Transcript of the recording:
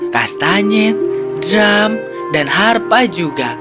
kastanya drum dan harpa juga